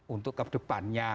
untuk ke depannya